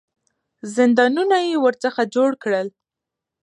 زندانونه یې ورڅخه جوړ کړل.